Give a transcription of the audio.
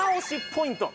ポイント。